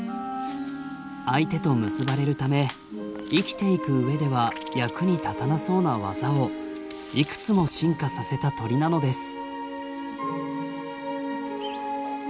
相手と結ばれるため生きていく上では役に立たなそうな技をいくつも進化させた鳥なのです。